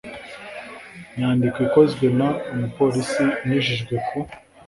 nyandiko ikozwe n umupolisi inyujijwe ku